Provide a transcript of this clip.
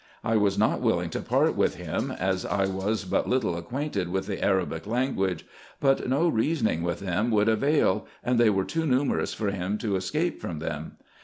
I was not willing to part with him, as I was but little acquainted with the Arabic lan o uao e ; but no reasoning with them would avail, and they were too to to '° numerous for him to escape from them.